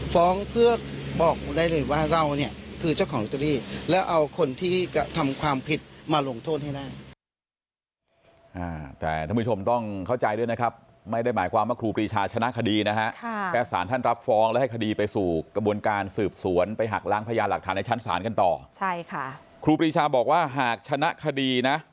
ฟ้องเพื่อบอกได้เลยว่าเราเนี่ยคือเจ้าของรถอรี่